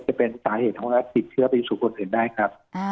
จะเป็นสาเหตุของรัฐติดเชื้อไปสู่คนอื่นได้ครับ